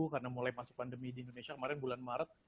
karena mulai masuk pandemi di indonesia kemarin bulan maret